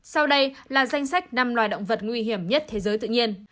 sau đây là danh sách năm loài động vật nguy hiểm nhất thế giới tự nhiên